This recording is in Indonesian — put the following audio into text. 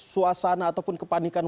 suasana ataupun kepanikan